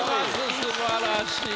素晴らしい。